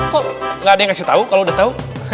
kok gak ada yang kasih tau kalo udah tau